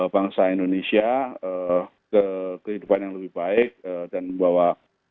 bangsa indonesia ke kehidupan yang lebih baik dan membawa